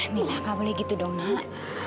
mila kamu boleh gitu dong nih